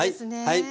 はい。